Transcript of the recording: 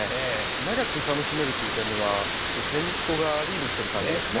長く楽しめるという点ではちょっとセンニチコウがリードしてる感じですね。